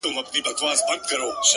مه کوه گمان د ليوني گلي ـ